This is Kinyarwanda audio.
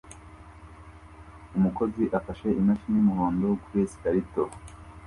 Umukozi afashe imashini yumuhondo kuri escalator